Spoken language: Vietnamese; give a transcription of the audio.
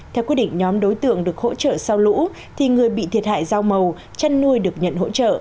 theo quyết định nhóm đối tượng được hỗ trợ sau lũ thì người bị thiệt hại rau màu chăn nuôi được nhận hỗ trợ